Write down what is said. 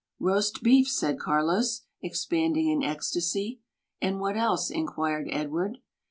"Roast beef," said Carlos, expanding in ecstasy. "And what else?" inquired Edward.